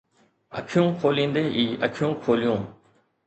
اکيون کوليندي ئي اکيون کوليون!